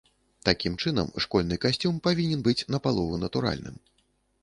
Такім чынам, школьны касцюм павінен быць напалову натуральным.